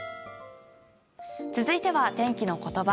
続いては、天気のことば。